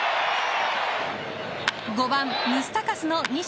５番ムスタカスの二者